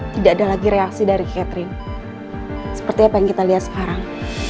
tidak ada lagi reaksi dari catherine seperti apa yang kita lihat sekarang